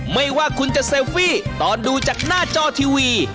ไม่ว่าคุณจะเซลฟี่ตอนดูจากหน้าจอทีวี